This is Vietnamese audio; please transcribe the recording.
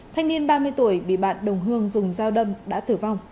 thanh niên ba mươi tuổi bị bạn đồng hương dùng dao đâm đã tử vong